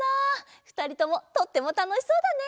ふたりともとってもたのしそうだね。